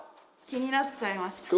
気になっちゃいましたか。